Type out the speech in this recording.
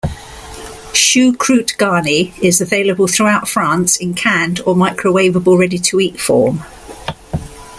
"Choucroute garnie" is available throughout France in canned or microwavable ready-to-eat form.